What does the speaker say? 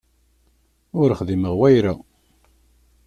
Ur xdimeɣ wayra.